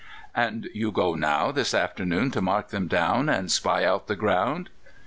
"'And you go now, this afternoon, to mark them down, and spy out the ground?